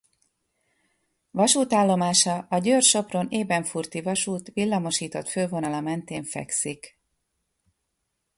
Vasútállomása a Győr–Sopron–Ebenfurti Vasút villamosított fővonala mentén fekszik.